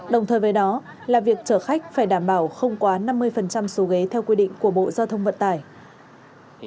đồng thời với đó là việc chở khách phải đảm bảo không quá năm mươi số ghế theo quy định của bộ giao thông vận tải